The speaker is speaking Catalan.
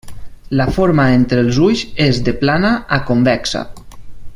La forma entre els ulls és de plana a convexa.